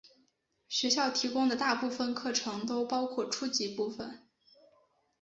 学校提供的大部分课程都包括初级部分。